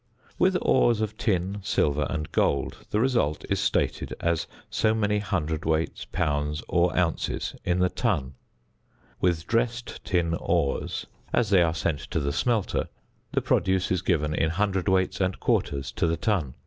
With ores of tin, silver, and gold, the result is stated as so many cwts., lbs., or ozs., in the ton. With dressed tin ores as they are sent to the smelter, the produce is given in cwts. and quarters to the ton.